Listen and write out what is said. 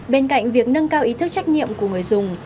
bên cạnh việc nâng cao ý thức trách nhiệm của người dùng